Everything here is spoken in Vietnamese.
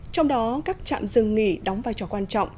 trong đó các trạm dừng nghỉ đóng vai trò quan trọng